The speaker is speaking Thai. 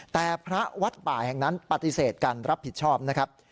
แต่พระวัดป่าแห่งนั้นปฏิเสธการรับผิดชอบนะครับ